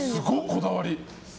こだわり。